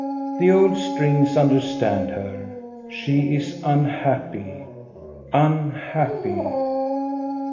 The old strings understand her : she is unhappy, unhappy.